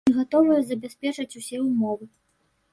Мы гатовыя забяспечыць усе ўмовы.